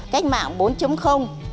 cách mạng bốn